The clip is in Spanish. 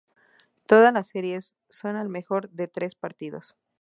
Todas las series son al mejor de tres partidos.